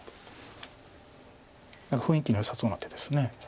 何か雰囲気のよさそうな手です。